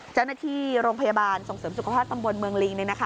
เจ้าหน้าที่โรงพยาบาลส่งเสริมสุขภาพตำบลเมืองลิง